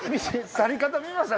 去り方見ました？